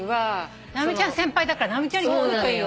直美ちゃん先輩だから直美ちゃんに聞くといいよ。